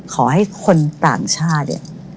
ขอให้คนต่างชาติ